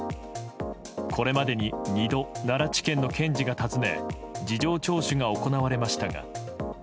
これまでに２度奈良地検の検事が訪ね事情聴取が行われましたが。